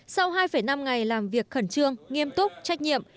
sau hai năm ngày làm việc khẩn trương nghiêm túc trách nhiệm